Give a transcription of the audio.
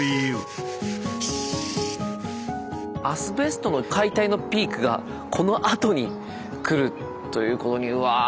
アスベストの解体のピークがこのあとに来るということにうわあ